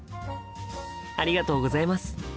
ありがとうございます。